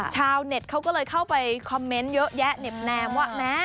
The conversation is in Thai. ชาวเน็ตเขาก็เลยเข้าไปคอมเมนต์เยอะแยะเน็บแนมว่าแม้